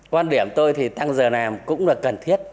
quan điểm tôi thì tăng giờ làm cũng là cần thiết